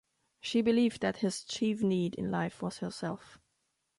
She believed that his chief need in life was herself.